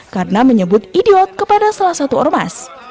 karena menyebut idiot kepada salah satu ormas